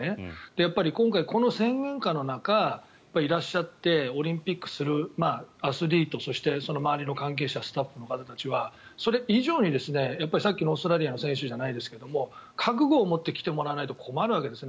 やっぱり、今回この宣言下の中いらっしゃってオリンピックをするアスリートそしてその周りの関係者スタッフの方たちはそれ以上にさっきのオーストラリアの選手じゃないですけど覚悟を持って来てもらわないと困るわけですね。